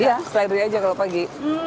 iya slidery aja kalau pagi